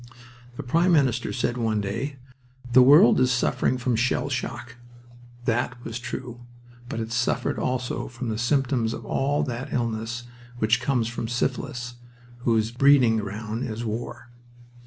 The Prime Minister said one day, "The world is suffering from shell shock." That was true. But it suffered also from the symptoms of all that illness which comes from syphilis, whose breeding ground is war.